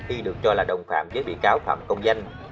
y được cho là đồng phạm với bị cáo phạm công danh